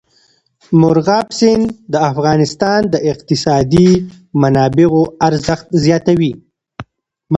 مورغاب سیند د افغانستان د اقتصادي منابعو ارزښت زیاتوي.